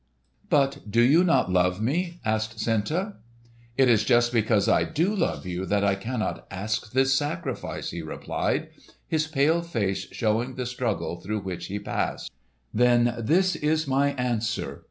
"But do you not love me?" asked Senta. "It is just because I do love you that I cannot ask this sacrifice," he replied, his pale face showing the struggle through which he passed. "Then this is my answer.